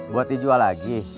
buat dijual lagi